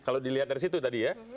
kalau dilihat dari situ tadi ya